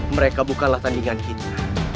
mereka bukanlah tandingan kita